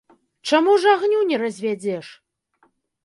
Чаму ж агню не развядзеш?